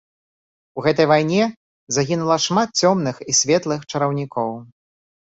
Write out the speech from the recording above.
У гэтай вайне загінула шмат цёмных і светлых чараўнікоў.